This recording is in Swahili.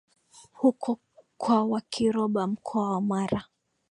huko kwa Wakiroba Mkoa wa Mara